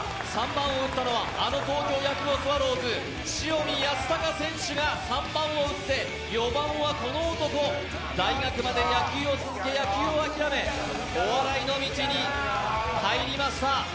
３番を打ったのは、あの東京ヤクルトスワローズ、塩見泰隆選手で、４番はこの男、大学まで野球を続け、野球を諦め、お笑いの道に入りました。